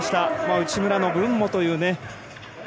内村の分もという。